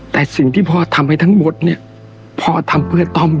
แต่สิ่งที่พ่อทำให้ทั้งหมดเนี่ยพ่อทำเพื่อต้อม